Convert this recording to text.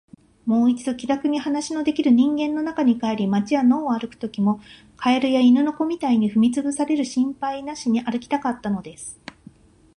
もう一度、気らくに話のできる人間の中に帰り、街や野を歩くときも、蛙や犬の子みたいに踏みつぶされる心配なしに歩きたかったのです。